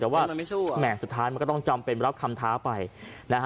แต่ว่าแหม่สุดท้ายมันก็ต้องจำเป็นรับคำท้าไปนะฮะ